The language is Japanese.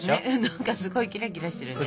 何かすごいキラキラしてるね。